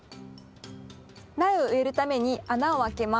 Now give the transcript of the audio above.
苗を植えるために穴を開けます。